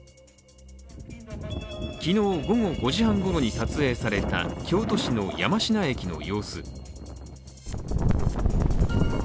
昨日午後５時半ごろに撮影された京都市の山科駅の様子。